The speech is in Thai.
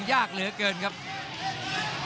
คมทุกลูกจริงครับโอ้โห